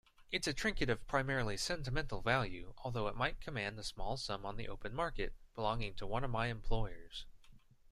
It's a trinket of primarily sentimental value, although it might command a small sum on the open market, belonging to one of my employers.